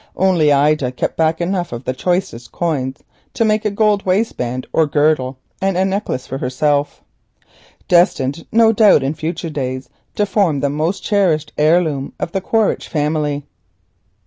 Only Ida kept back enough of the choicest coins to make a gold waistband or girdle and a necklace for herself, destined no doubt in future days to form the most cherished heirloom of the Quaritch family.